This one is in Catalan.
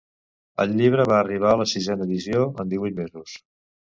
El llibre va arribar a la sisena edició en divuit mesos.